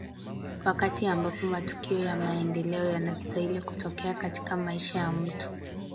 wakati ambapo matukio ya maendeleo yanastahili kutokea katika maisha ya mtu